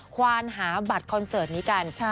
ควานหาบัตรคอนเสิร์ตนี้กัน